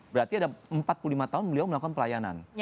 berarti ada empat puluh lima tahun beliau melakukan pelayanan